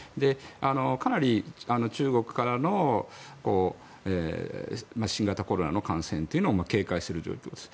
かなり中国からの新型コロナの感染というのを警戒している状況です。